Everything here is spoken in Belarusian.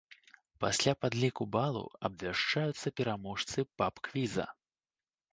Пасля падліку балаў абвяшчаюцца пераможцы паб-квіза.